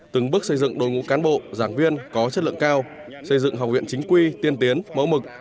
từng bước xây dựng đội ngũ cán bộ giảng viên có chất lượng cao xây dựng học viện chính quy tiên tiến mẫu mực